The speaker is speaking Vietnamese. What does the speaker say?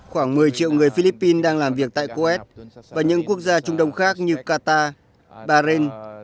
khoảng một mươi triệu người philippines đang làm việc tại kuwait và những quốc gia trung đông khác như qatar bahrain